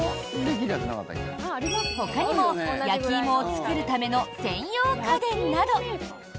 ほかにも、焼き芋を作るための専用家電など。